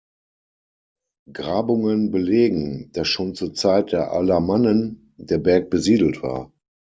Grabungen belegen, dass schon zur Zeit der Alamannen der Berg besiedelt war.